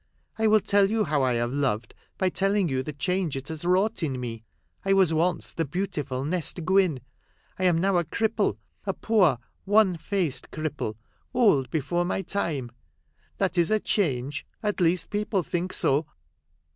" I will tell you how I have loved, by telling you the change it has wrought in me. I was once the beau tiful Nest Gwynn ; I am now a cripple, a poor, wan faced cripple, old before my time. That is a change ; at least people think so."